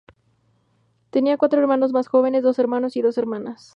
Tenía cuatro hermanos más jóvenes: dos hermanas y dos hermanos.